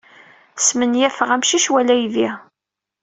Smenyafeɣ amcic wala aydi.